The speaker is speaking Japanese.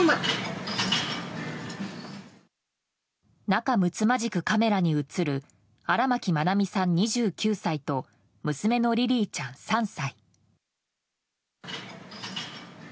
仲むつまじくカメラに映る荒牧愛美さん、２９歳と娘のリリィちゃん、３歳。